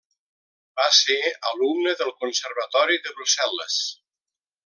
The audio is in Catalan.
Va ser alumne del Conservatori de Brussel·les.